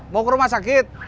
mau ke rumah sakit